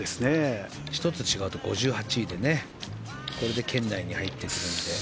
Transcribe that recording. １つ違うと５８位でそれで圏内に入りますので。